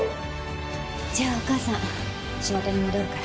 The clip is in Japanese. じゃあお母さん仕事に戻るから。